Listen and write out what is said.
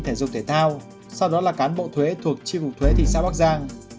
thể dục thể thao sau đó là cán bộ thuế thuộc chi cục thuế thị xã bắc giang